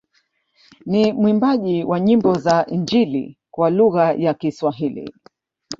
Ni mwimbaji wa nyimbo za injili kwa lugha ya Kiswahili